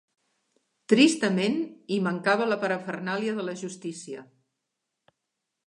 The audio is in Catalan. Tristament, hi mancava la parafernàlia de la justícia.